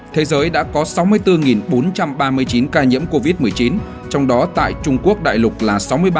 thế giới đã có sáu mươi bốn bốn trăm ba mươi chín ca nhiễm covid một mươi chín trong đó tại trung quốc đại lục là sáu mươi ba tám trăm năm mươi hai